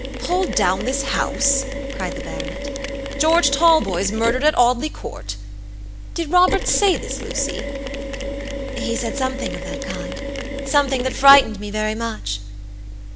"Pull down this house?" cried the baronet. "George Talboys murdered at Audley Court! Did Robert say this, Lucy?" "He said something of that kindsomething that frightened me very much."